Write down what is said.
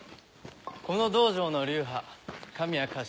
この道場の流派神谷活